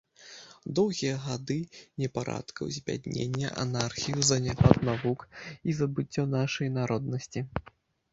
Доўгія гады непарадкаў, збядненне, анархію, заняпад навук і забыццё нашай народнасці.